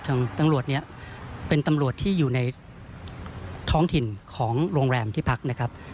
ตำรวจเนี่ยเป็นตำรวจที่อยู่ในท้องถิ่นของโรงแรมที่พักนะครับ